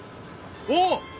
おっ！